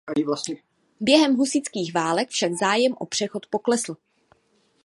Během husitských válek však zájem o přechod poklesl.